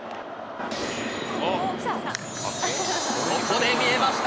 ここで見えました。